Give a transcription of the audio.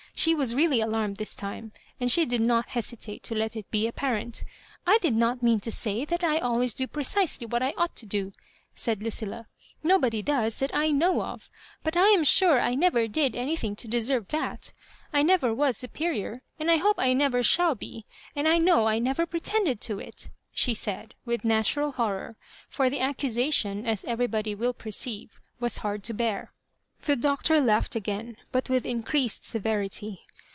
She was really alarmed this time^ and she did not hesitate to let it be apparent *' I do not mean to say that I always do precisely what I ought to do," said Lucilla; ''nobody does tiiat I know of; but I am sure I never did anything to deserve that I never was superior, and I hope I never shall be; and I know I never pretended to it," she said, with natural horror; for the accusation, asw eveiybody will perceive, was hard to bear. The Doctor laughed again, but with increased severity.